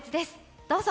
どうぞ。